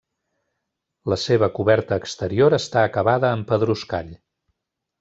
La seva coberta exterior està acabada amb pedruscall.